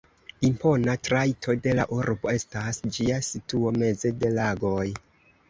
Impona trajto de la urbo estas ĝia situo meze de lagoj.